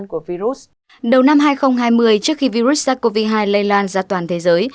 đầu năm hai nghìn hai mươi trước khi virus sars cov hai lây lan ra toàn thế giới